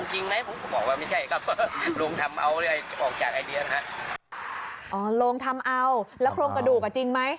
โหโรงทำเอาแล้วโครงกระดูกจริงไหม